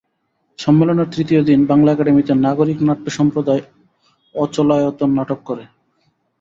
সম্মেলনের তৃতীয় দিন বাংলা একাডেমিতে নাগরিক নাট্য সম্প্রদায় অচলায়তন নাটক করে।